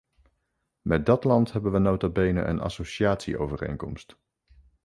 Met dat land hebben we nota bene een associatieovereenkomst!